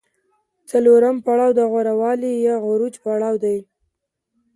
څلورم پړاو د غوره والي یا عروج پړاو دی